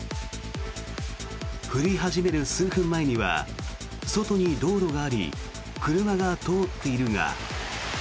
降り始める数分前には外に道路があり車が通っているが。